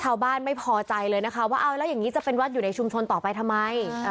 ชาวบ้านไม่พอใจเลยนะคะว่าเอาแล้วอย่างนี้จะเป็นวัดอยู่ในชุมชนต่อไปทำไม